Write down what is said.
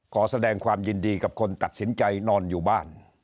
ขอแสดงความยินดีกับคนตัดสินใจนอนอยู่บ้าน